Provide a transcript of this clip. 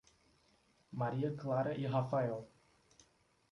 Maria Clara e Rafael